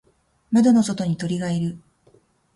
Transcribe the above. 窓の外に鳥がいる。